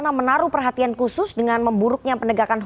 memang harus dilakukan dengan ketegasan